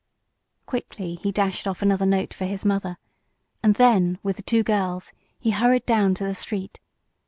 Quickly he dashed off another note for his mother, and then, with the two girls, he hurried down to the street.